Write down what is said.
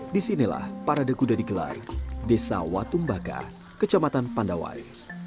disinilah parade kuda digelar desa watumbaka kecamatan pandawai